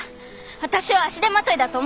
私を足手まといだと思ってるとか。